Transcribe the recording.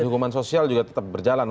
dan hukuman sosial juga tetap berjalan